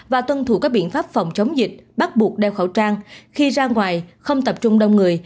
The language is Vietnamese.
và tuân thủ các biện pháp phòng chống dịch bắt buộc đeo khẩu trang khi ra ngoài không tập trung đông người